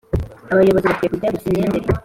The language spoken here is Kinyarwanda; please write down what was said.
Abayobozi bakwiye kujya basinya mbere